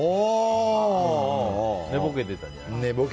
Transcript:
寝ぼけてたんじゃない？